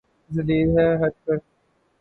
ذلیل ہے ہٹ کر